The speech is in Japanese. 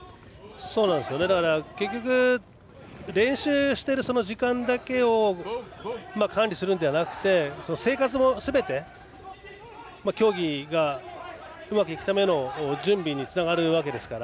だから練習している時間だけを管理するのではなくて生活のすべてが競技がうまくいくための準備につながるわけですから。